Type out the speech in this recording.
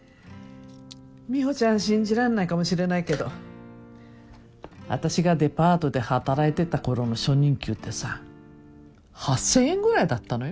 美帆ちゃんは信じられないかもしれないけど私がデパートで働いてたころの初任給ってさ８，０００円ぐらいだったのよ。